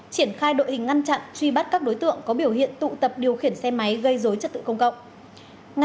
triển khai đội hình ngăn chặn truy bắt các đối tượng có biểu hiện tụ tập điều khiển xe máy gây dối trật tự công cộng